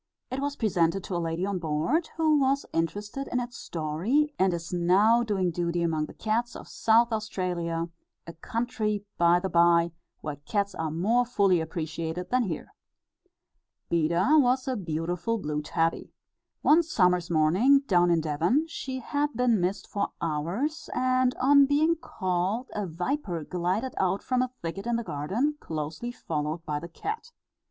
It was presented to a lady on board, who was interested in its story, and is now doing duty among the cats of South Australia, a country, by the bye, where cats are more fully appreciated than here. Beda was a beautiful blue tabby. One summer's morning, down in Devon, she had been missed for hours, and on being called, a viper glided out from a thicket in the garden, closely followed by the cat.